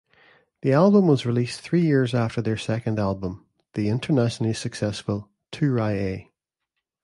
The album was released three years after their second album, the internationally successful "Too-Rye-Ay".